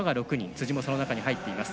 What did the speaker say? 辻もその中に入っています。